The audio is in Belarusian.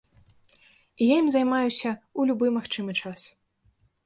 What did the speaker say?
І я ім займаюся ў любы магчымы час.